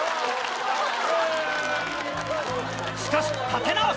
しかし立て直す！